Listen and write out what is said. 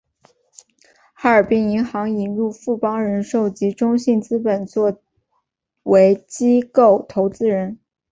哈尔滨银行引入富邦人寿及中信资本等作为机构投资者。